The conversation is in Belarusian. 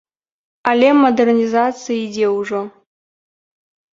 Але мадэрнізацыя ідзе ўжо.